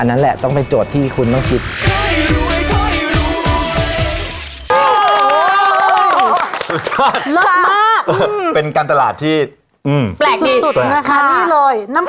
นั่นแหละต้องเป็นโจทย์ที่คุณต้องคิด